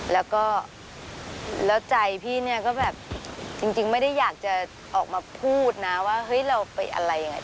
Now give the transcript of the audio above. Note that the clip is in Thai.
แล้วก็แล้วใจพี่เนี่ยก็แบบจริงไม่ได้อยากจะออกมาพูดนะว่าเฮ้ยเราไปอะไรยังไง